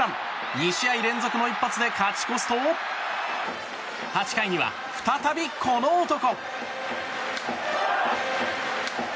２試合連続の一発で勝ち越すと８回には再びこの男。